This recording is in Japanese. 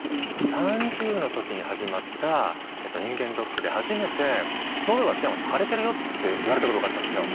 ３０の時に始まった人間ドックで初めて「喉が木山さん腫れてるよ」って言われたことがあったんですよ。